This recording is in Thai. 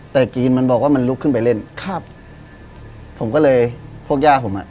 แต่จีนมันบอกว่ามันลุกขึ้นไปเล่นครับผมก็เลยพวกย่าผมอ่ะ